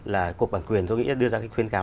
là cuộc bản quyền tôi nghĩ đưa ra khuyên cáo